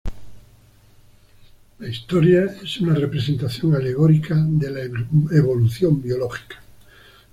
La historia es una representación alegórica de la evolución biológica.